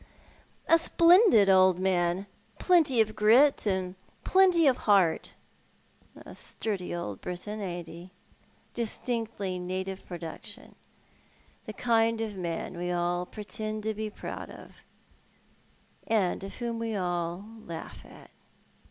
"A splendid old man — plenty of grit, and plenty of heart. "A sturdy old Briton, aiu'fc he? A distinctly native pro duction. The kind of man we all pretend to be proud of, and whom we all laugh at."